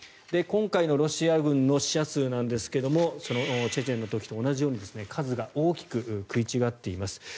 今回のロシア軍の死者数ですがチェチェンの時と同じように数が大きく食い違っています。